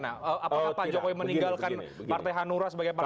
apakah pak jokowi meninggalkan partai hanura sebagai partai pengusung atau bagaimana